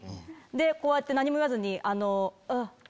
こうやって何も言わずに。